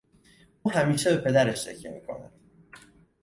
او همیشه به پدرش تکیه میکند.